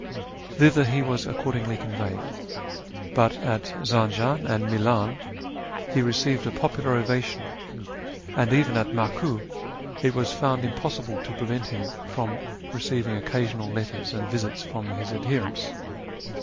Thither he was accordingly conveyed ; but at Zanjan and Milan he received a popular ovation, and even at Maku it was found impossible to prevent him from receiving occasional letters and visits from his adherents.